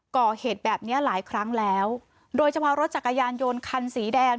ก่อเหตุแบบเนี้ยหลายครั้งแล้วโดยเฉพาะรถจักรยานยนต์คันสีแดง